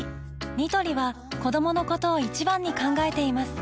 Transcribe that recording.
ニトリは子どものことを一番に考えています